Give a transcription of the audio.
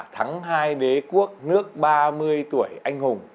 thắng hai đế quốc nước ba mươi tuổi anh hùng